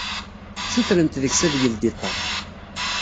Sutrent deg-s ad yeldi ṭṭaq.